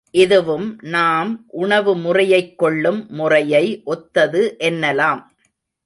இதுவும் நாம் உணவு முறையைக் கொள்ளும் முறையை ஒத்தது என்னலாம்.